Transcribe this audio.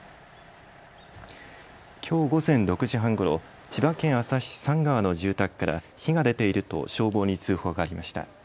きょう午前６時半ごろ、千葉県旭市三川の住宅から火が出ていると消防に通報がありました。